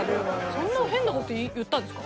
そんな変な事言ったんですか？